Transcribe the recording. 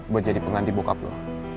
buat jadi pengganti bokap loh